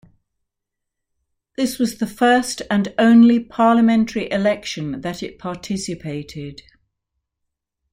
This was the first and only parliamentary election that it participated.